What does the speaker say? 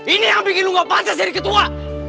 ini yang bikin lu gak pantas jadi ketua